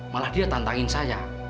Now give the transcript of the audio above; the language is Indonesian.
malah dia tantangin saya